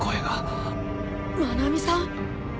愛美さん！？